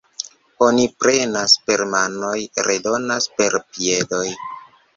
Oni prenas per manoj, redonas per piedoj.